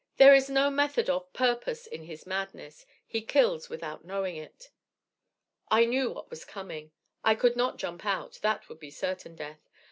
There is no method of purpose in his madness. He kills without knowing it. "I knew what was coming. I could not jump out, that would be certain death.